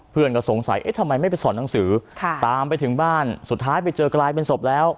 เพื่อนก็สงสัยเอ๊ะทำไมไม่ไปสอนหนังสือตามไปถึงบ้านสุดท้ายไปเจอกลายเป็นศพแล้ว